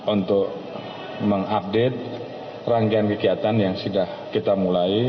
untuk mengupdate rangkaian kegiatan yang sudah kita mulai